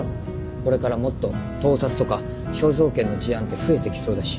これからもっと盗撮とか肖像権の事案って増えてきそうだし。